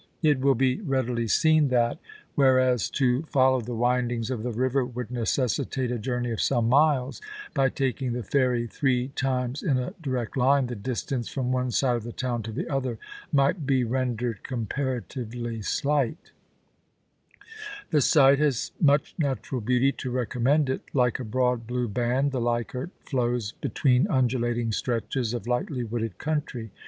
It will be readily seen that, whereas to follow the windings of. the river would necessitate a journey of some miles, by taking the ferry three times in a direct line, the distance from one side of the town to the other might be rendered comparatively slight The site has much natural beauty to recommend it Like a broad blue band the Leichardt flows between undulating stretches of lightly wooded country.